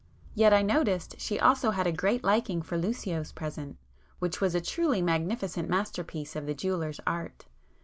Yet I noticed she also had a great liking for Lucio's present, which was a truly magnificent masterpiece of the jeweller's art.